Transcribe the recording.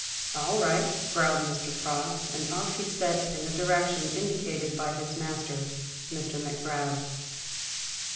"All right," growled Mr. Proggs; and off he set in the direction indicated by his master, Mr. Mac Grab.